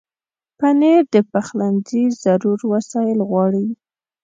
پنېر د پخلنځي ضرور وسایل غواړي.